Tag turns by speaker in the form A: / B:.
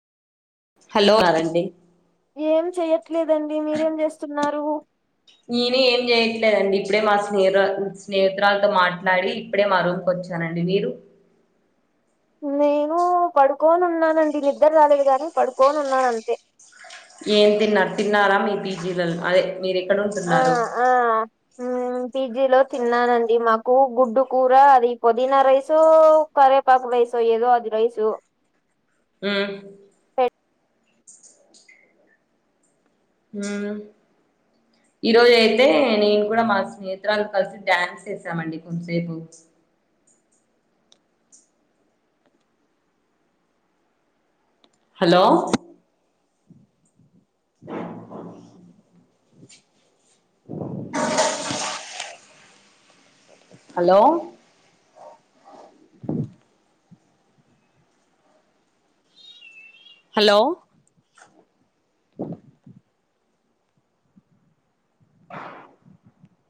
A: hello
B: ఏం చెయ్యట్లేదండి మీరేం చేస్తున్నారు
A: నినే ఏం జేయట్లేదండి ఇప్పుడే మా స్నేహ స్నేహితురాల్తో మాట్లాడి ఇప్పుడే మా రూమ్ కి వచ్చానండి మీరు
B: నేను పడుకోని ఉన్నానండి నిద్ర రాలేదు గానీ పడుకోని ఉన్నాను అంతే
A: ఏం తిన్నారు తిన్నారా మీ పీజీల అదే మీరు ఎక్కడ
B: ఆ
A: ఉంటున్నారు
B: ఆ ఉమ్ పీజీలో తిన్నానండి మాకు గుడ్డు కూర అది పుదీనా రైసో కరేపాకు రైసో ఏదో అది రైసూ
A: ఉ ఉ ఈ రోజైతే నేను కూడా మా స్నేహితురాల కలిసి డ్యాన్స్ ఏసామండి కొద్దిసేపు హలో [inaudible] హలో హలో [inaudible]